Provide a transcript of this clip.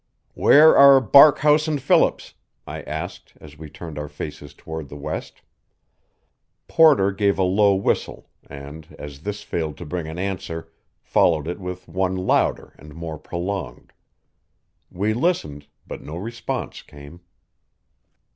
"Where are Barkhouse and Phillips?" I asked, as we turned our faces toward the west. Porter gave a low whistle, and, as this failed to bring an answer, followed it with one louder and more prolonged. We listened, but no response came.